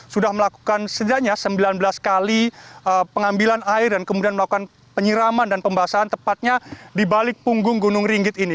sudah melakukan setidaknya sembilan belas kali pengambilan air dan kemudian melakukan penyiraman dan pembasahan tepatnya di balik punggung gunung ringgit ini